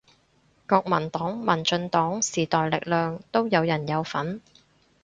國民黨民進黨時代力量都有人有份